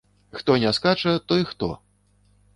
Хто не скача, той хто?